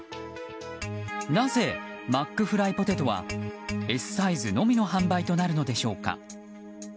なぜマックフライポテトはＳサイズのみの販売となるのでしょうか。